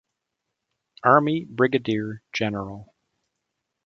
Army Brigadier General.